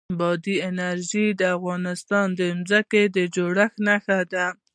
بادي انرژي د افغانستان د ځمکې د جوړښت نښه ده.